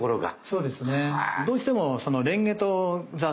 そうですよね。